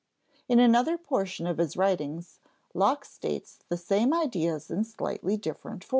In another portion of his writings, Locke states the same ideas in slightly different form.